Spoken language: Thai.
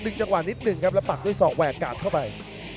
นึกจังหวัดนิดหนึ่งครับแล้วก็ปักด้วย๒แวกกาบเข้าไป